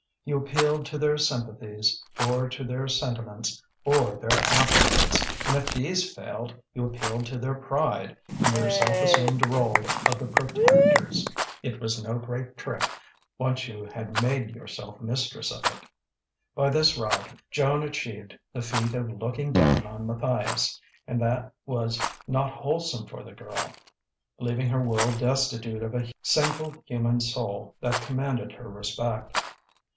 You appealed to their sympathies, or to their sentiments, or their appetites, and if these failed you appealed to their pride in their self assumed rôle of the protectors. It was no great trick, once you had made yourself mistress of it. By this route Joan achieved the feat of looking down on Matthias; and that was not wholesome for the girl, leaving her world destitute of a single human soul that commanded her respect.